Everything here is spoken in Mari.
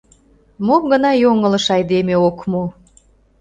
Мом гына йоҥылыш айдеме ок му!